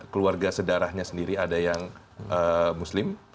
keluarga sedarahnya sendiri ada yang muslim